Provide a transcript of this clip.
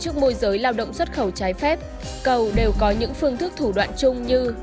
trước môi giới lao động xuất khẩu trái phép cầu đều có những phương thức thủ đoạn chung như